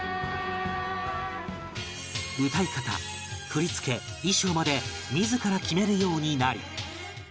歌い方振り付け衣装まで自ら決めるようになり